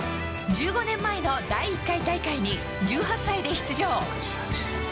１５年前の第１回大会に１８歳で出場。